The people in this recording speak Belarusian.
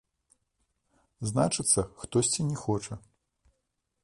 Значыцца, хтосьці не хоча.